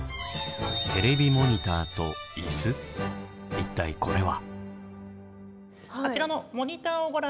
一体これは？